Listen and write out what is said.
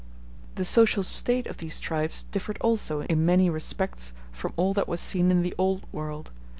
] The social state of these tribes differed also in many respects from all that was seen in the Old World.